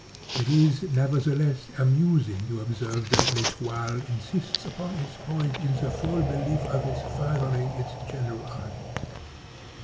It is, nevertheless, amusing to observe that L'Etoile insists upon its point in the full belief of its furthering its general argument.